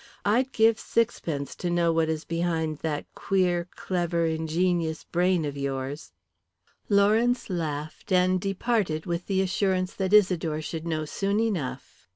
I'd give sixpence to know what is behind that queer, clever, ingenious brain of yours." Lawrence laughed and departed with the assurance that Isidore should know soon enough.